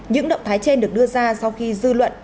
những động thái trên được đưa ra sau khi dư luận